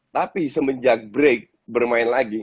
tapi semenjak break bermain lagi